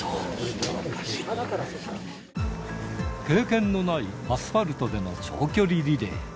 経験のないアスファルトでの長距離リレー。